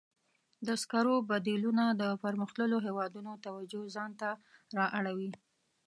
د سکرو بدیلونه د پرمختللو هېوادونو توجه ځان ته را اړولې.